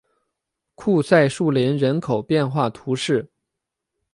库赛树林人口变化图示